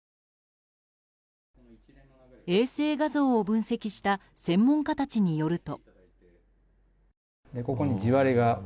衛星画像を分析した専門家たちによると。